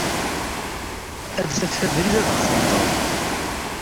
Ad d-taf abrid ad ɣ-tenṭeḍ.